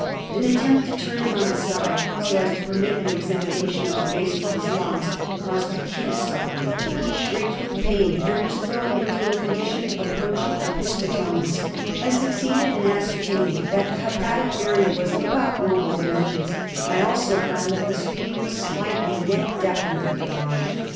An attempt to turn him on his side so as to permit of an examination of the bases of his lungs caused acute suffering. He shrieked with pain and was thrown into a condition approaching opisthotonos. I succeeded in ascertaining that the hepatic area was of about normal dimensions ; I also found that the spleen was slightly yet definitely enlarged.